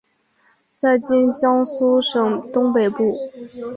在今江苏省东北部。